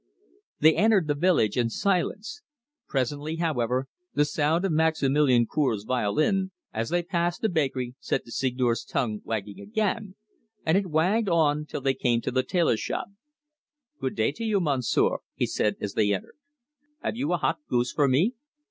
They entered the village in silence. Presently, however, the sound of Maximilian Cour's violin, as they passed the bakery, set the Seigneur's tongue wagging again, and it wagged on till they came to the tailor's shop. "Good day to you, Monsieur," he said, as they entered. "Have you a hot goose for me?"